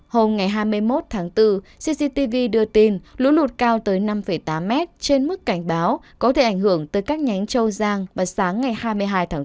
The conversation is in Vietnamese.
hôm ngày hai mươi một tháng bốn cctv đưa tin lũ lụt cao tới năm tám m trên mức cảnh báo có thể ảnh hưởng tới các nhánh châu giang vào sáng ngày hai mươi hai tháng bốn